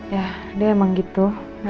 ya dia emang gitu